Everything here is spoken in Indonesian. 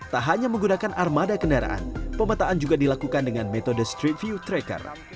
tak hanya menggunakan armada kendaraan pemetaan juga dilakukan dengan metode street view tracker